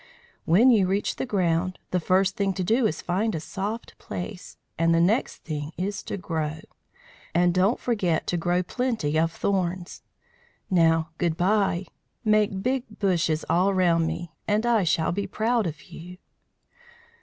When you reach the ground, the first thing to do is to find a soft place, and the next thing is to grow. And don't forget to grow plenty of thorns. Now good bye. Make big bushes all round me, and I shall be proud of you."